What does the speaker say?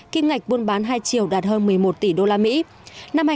kim ngạch buôn bán hai triệu đạt hơn một mươi một tỷ đô la mỹ